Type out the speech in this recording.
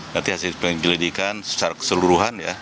nanti hasil penyelidikan secara keseluruhan ya